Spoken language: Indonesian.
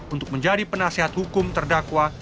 untuk menjadi penasihat hukum terdakwa